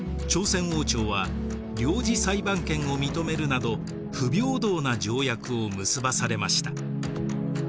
朝鮮王朝は領事裁判権を認めるなど不平等な条約を結ばされました。